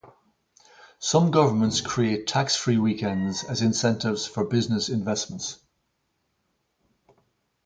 Some governments create tax-free weekends as incentives for business investment.